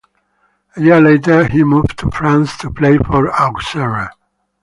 A year later, he moved to France to play for Auxerre.